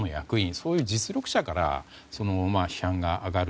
そういう実力者から批判が上がる。